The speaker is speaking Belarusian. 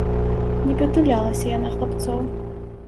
Нібы тулялася яна хлапцоў.